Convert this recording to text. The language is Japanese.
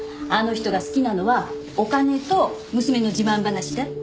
あの人が好きなのはお金と娘の自慢話だって。